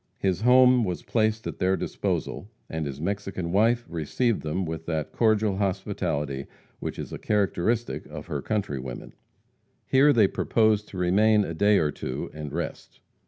His home was placed at their disposal, and his Mexican wife received them with that cordial hospitality which is a characteristic of her countrywomen. Here they proposed to remain a day or two and rest.